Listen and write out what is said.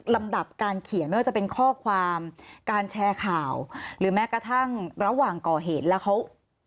ลำดับการเขียนไม่ว่าจะเป็นข้อความการแชร์ข่าวหรือแม้กระทั่งระหว่างก่อเหตุแล้วเขา